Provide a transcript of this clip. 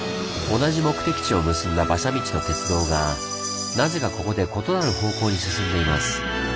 同じ目的地を結んだ馬車道と鉄道がなぜかここで異なる方向に進んでいます。